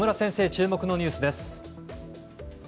注目のニュース。